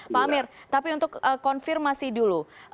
pak amir tapi untuk konfirmasi dulu